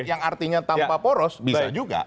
yang artinya tanpa poros bisa juga